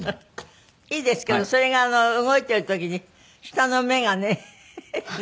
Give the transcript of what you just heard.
いいですけどそれが動いてる時に下の目がねなんとも知れない。